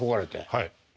はい。